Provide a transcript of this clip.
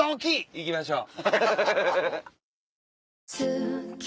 行きましょう。